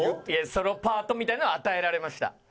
ソロパートみたいなのは与えられました。